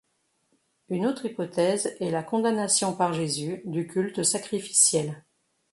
Une autre hypothèse est la condamnation par Jésus du culte sacrificiel.